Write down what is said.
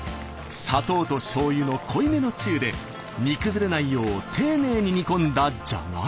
砂糖としょうゆの濃いめのつゆで煮崩れないよう丁寧に煮込んだじゃがいも。